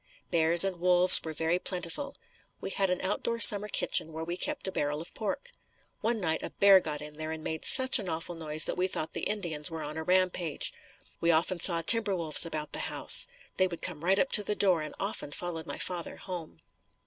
Bears and wolves were very plentiful. We had an outdoor summer kitchen where we kept a barrel of pork. One night a bear got in there and made such an awful noise that we thought the Indians were on a rampage. We often saw timber wolves about the house. They would come right up to the door and often followed my father home.